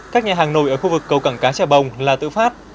các nhà hàng nổi ở khu vực cầu cảng cá trà bồng là tự phát